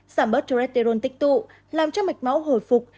giảm bớt tretiron tích tụ làm cho mạch máu hồi phục